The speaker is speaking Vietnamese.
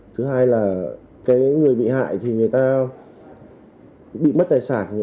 thứ hai là người bị hại thì người ta bị mất tài sản